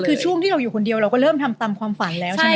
คือช่วงที่เราอยู่คนเดียวเราก็เริ่มทำตามความฝันแล้วใช่ไหม